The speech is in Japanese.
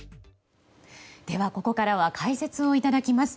ここからは解説をいただきます。